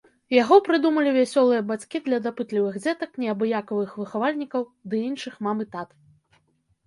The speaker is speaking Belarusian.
Яго прыдумалі вясёлыя бацькі для дапытлівых дзетак, неабыякавых выхавальнікаў ды іншых мам і тат!